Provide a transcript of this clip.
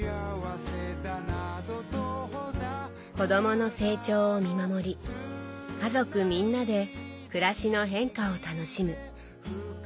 子どもの成長を見守り家族みんなで暮らしの変化を楽しむ。